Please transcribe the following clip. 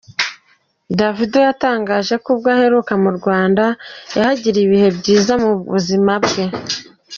Davido yatangaje ko ubwo aheruka mu Rwanda yahagiriye ibihe byiza mu buzima bwe.